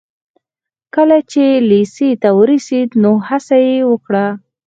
کله چې لېسې ته ورسېد نو هڅه يې وکړه.